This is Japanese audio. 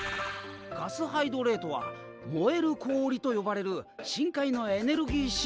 ガスハイドレートは燃える氷と呼ばれる深海のエネルギー資源だよ。